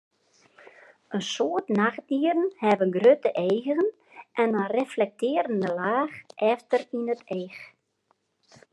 In soad nachtdieren hawwe grutte eagen en in reflektearjende laach efter yn it each.